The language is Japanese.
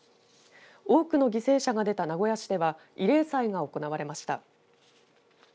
多くの犠牲者が出た名古屋市では慰霊祭が行われました。